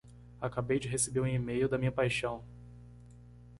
Acabei de receber um e-mail da minha paixão!